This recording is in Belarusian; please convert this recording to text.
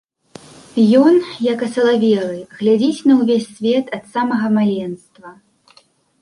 Ён, як асалавелы, глядзіць на ўвесь свет ад самага маленства.